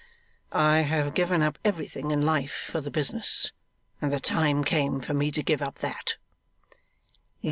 'I have given up everything in life for the business, and the time came for me to give up that.